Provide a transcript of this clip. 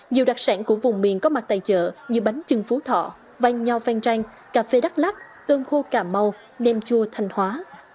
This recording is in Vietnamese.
nhiều đặc sản của vùng miền có mặt tài trợ như bánh trưng phú thọ văn nho phan trang cà phê đắt lát tơm khô cả màu nêm chua thanh hóa